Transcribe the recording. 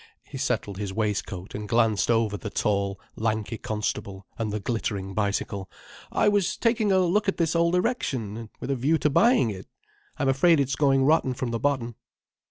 He settled his waistcoat and glanced over the tall, lanky constable and the glittering bicycle. "I was taking a look at this old erection, with a view to buying it. I'm afraid it's going rotten from the bottom."